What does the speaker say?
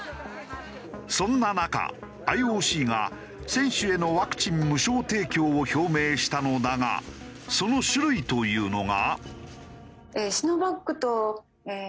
そんな中ＩＯＣが選手へのワクチン無償提供を表明したのだがその種類というのが。